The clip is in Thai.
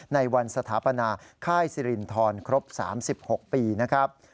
ในวันสถาปนาค่ายสิรินทรครบ๓๖ปีนะครับ